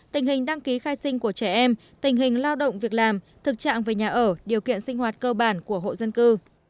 tình hình đăng ký khai sinh của trẻ em tình hình lao động việc làm thực trạng về nhà ở điều kiện sinh hoạt cơ bản của hộ dân cư